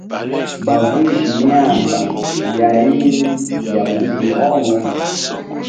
Bavulushe mianda ya ihindi ya bubili onga.